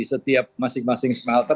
setiap masing masing smelter